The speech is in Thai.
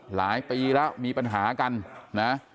หลายปีแล้วมีปัญหากันนะ